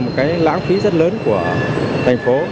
một cái lãng phí rất lớn của thành phố